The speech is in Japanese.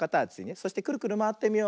そしてクルクルまわってみよう。